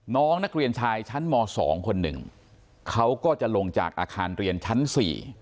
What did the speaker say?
น้องนักเรียนชายชั้นม๒คนหนึ่งเขาก็จะลงจากอาคารเรียนชั้น๔